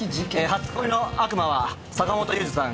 初恋の悪魔は坂元裕二さん